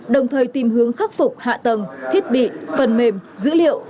đồng thời tìm hướng khắc phục hạ tầng thiết bị phần mềm dữ liệu